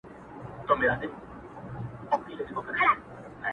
o د شپې غمونه وي په شپه كي بيا خوښي كله وي.